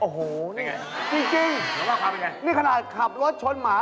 ว่าความเป็นไงนี่ขนาดขับรถชนหมา